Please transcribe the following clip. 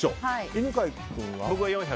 犬飼君は？